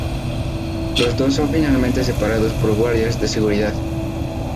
Los dos son finalmente separados por guardias de seguridad.